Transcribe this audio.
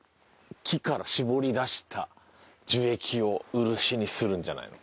木から搾り出した樹液を漆にするんじゃないの？